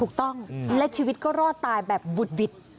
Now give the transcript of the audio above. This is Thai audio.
ถูกต้องและชีวิตก็รอดตายแบบบุดหวิด